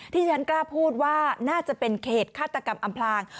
ที่ฉันกล้าพูดว่าน่าจะเป็นเขตฆาตกรรมอำพลาง